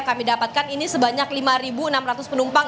kami dapatkan ini sebanyak lima enam ratus penumpang